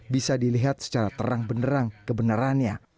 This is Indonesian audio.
bisa dilihat secara terang benerang kebenarannya